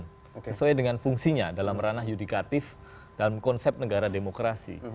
sesuai dengan fungsinya dalam ranah yudikatif dalam konsep negara demokrasi